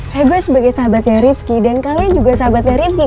tapi gue sebagai sahabatnya rifki dan kalian juga sahabatnya rifki